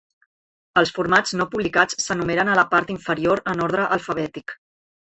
Els formats no publicats s'enumeren a la part inferior en ordre alfabètic.